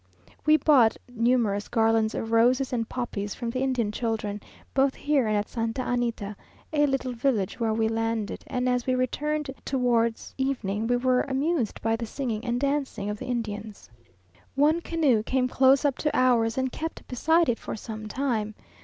We bought numerous garlands of roses and poppies from the Indian children, both here and at Santa Anita, a little village where we landed, and as we returned towards evening we were amused by the singing and dancing of the Indians. One canoe came close up to ours, and kept beside it for some time.